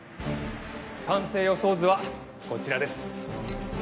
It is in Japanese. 完成予想図はこちらです。